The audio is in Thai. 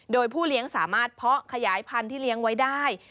โดยผู้เลี้ยงสามารถเพาะขยายพันธุ์ที่เลี้ยงไว้ได้